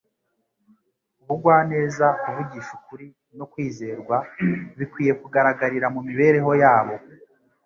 Ubugwaneza, kuvugisha ukuri, no kwizerwa bikwiye kugaragarira mu mibereho yabo